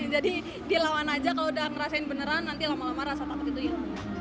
jadi dilawan aja kalau udah ngerasain beneran nanti lama lama rasa takut itu ya